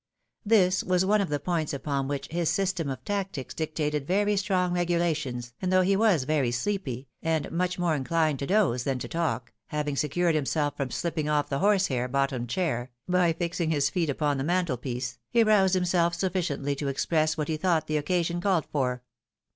This was one of the points upon which his system of tactics dictated very strong regulations, and though he was very sleepy, and much naore inclined to dose than to talk, having secured himself from slipping off the horse hair bottomed chair, by fixing his feet upon the mantelpiece, he roused himself suffici ently to express what he thought the occasion called for.